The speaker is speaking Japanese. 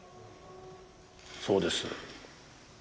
そうです。